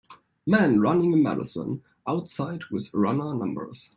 Men running a marathon outside with runner numbers.